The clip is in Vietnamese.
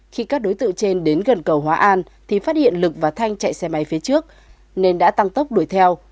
khi các đối tượng trên đến gần cầu hóa an thì phát hiện lực và thanh chạy xe máy phía trước nên đã tăng tốc đuổi theo